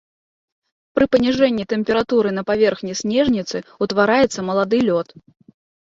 Пры паніжэнні тэмпературы на паверхні снежніцы ўтвараецца малады лёд.